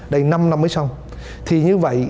đây năm năm mới xong thì như vậy